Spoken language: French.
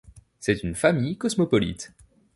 C’est une famille cosmopolite.